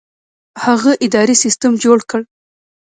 هغه اداري سیستم جوړ کړ.